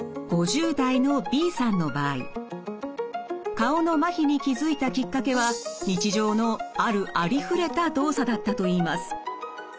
顔のまひに気付いたきっかけは日常のあるありふれた動作だったといいます。